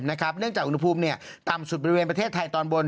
เนื่องจากอุณหภูมิต่ำสุดบริเวณประเทศไทยตอนบน